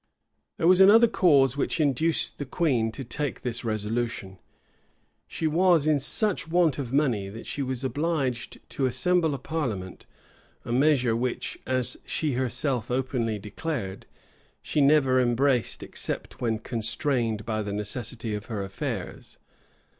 {1581.} There was another cause which induced the queen to take this resolution: she was in such want of money, that she was obliged to assemble a parliament; a measure which, as she herself openly declared, she never embraced except when constrained by the necessity of her affairs.